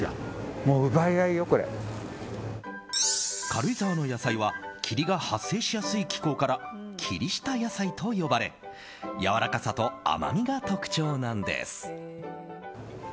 軽井沢の野菜は霧が発生しやすい気候から霧下野菜と呼ばれやわらかさと甘みが特徴なんです。